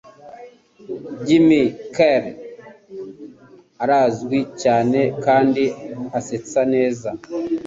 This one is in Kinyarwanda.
Jim Carrey arazwi cyane kandi asetsa neza.